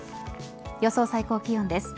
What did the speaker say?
予想最高気温です。